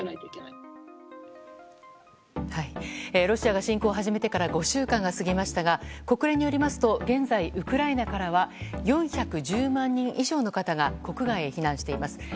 ロシアが侵攻を始めてから５週間が過ぎましたが国連によりますと現在、ウクライナからは４１０万人以上の方が国外へ避難しています。